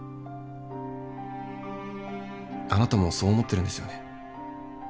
あなたもそう思ってるんですよね？